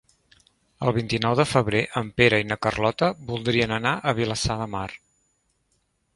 El vint-i-nou de febrer en Pere i na Carlota voldrien anar a Vilassar de Mar.